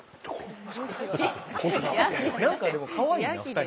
何かでもかわいいな２人。